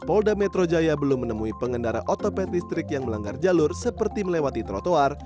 polda metro jaya belum menemui pengendara otopet listrik yang melanggar jalur seperti melewati trotoar